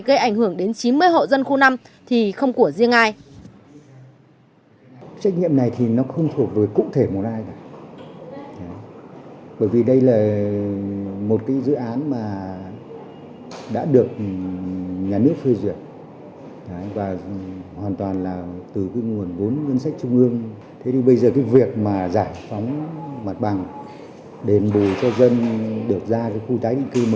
gây ảnh hưởng đến chín mươi hộ dân khu năm thì không của riêng ai